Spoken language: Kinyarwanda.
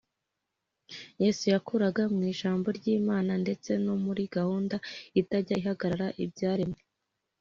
Yesu yakuraga mu Ijambo ry’Imana ndetse no muri gahunda itajya ihagarara y’ibyaremwe.